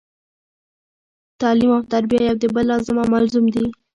تعلیم او تربیه یو د بل لازم او ملزوم دي